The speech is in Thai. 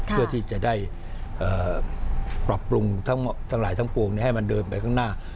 เพื่อที่จะได้ปรับปรุงทั้งหลายทั้งปวงให้มันเดินไปข้างหน้า